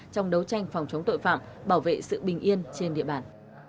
trong đấu tranh phòng chống tội phạm bảo vệ sự bình yên trên địa bàn